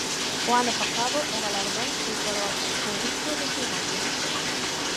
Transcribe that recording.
O ano pasado o galardón foi para o acueduto de Segovia.